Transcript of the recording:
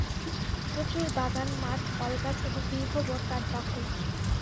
প্রচুর বাগান মাঠ ফলগাছ এবং দীর্ঘ বন তাঁর দখলে।